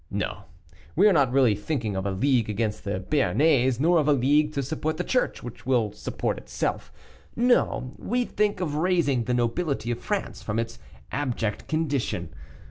No! we are not really thinking of a league against the Béarnais, nor of a league to support the Church, which will support itself: no, we think of raising the nobility of France from its abject condition.